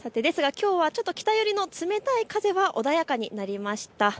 ですがきょうは北寄りの冷たい風は穏やかになりました。